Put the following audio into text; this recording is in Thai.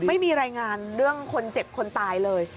ไม่มีรายงานเรื่องคนเจ็บคนตายเลย